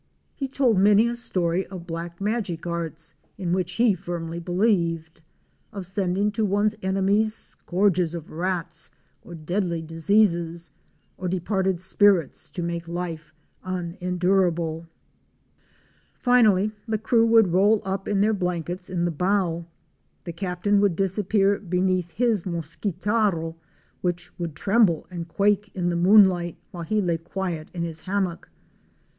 He told many a story of black magic arts, in which he firmly believed, of sending to one's ene mies scourges of rats or deadly diseases or departed spirits to make life unendurable. Fic. 45. GuARAUNO INDIANS COMING TO TRADE AT CANO COLORADO. Finally the crew would roll up in their blankets in the bow, the Captain would disappear beneath his mosquitaro, which would tremble and quake in the moonlight until he lay quiet in his hammock.